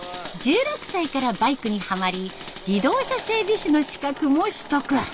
１６歳からバイクにハマり自動車整備士の資格も取得。